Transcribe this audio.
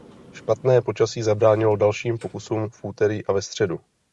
Špatné počasí zabránilo dalším pokusům v úterý a ve středu.